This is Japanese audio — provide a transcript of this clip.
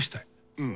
うん。